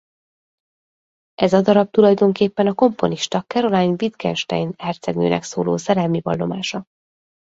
Ez a darab tulajdonképpen a komponista Carolyne Wittgenstein hercegnőnek szóló szerelmi vallomása.